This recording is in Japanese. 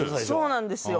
そうなんですよ。